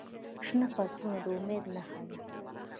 شنه فصلونه د امید نښه ده.